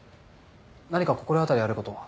何か心当たりある事は？